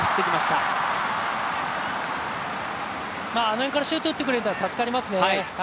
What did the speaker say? あの辺からシュート打ってくれたら助かりますね。